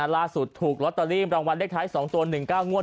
ถูกลอตเตอรี่รางวัลเลขท้าย๒ตัว๑๙งวด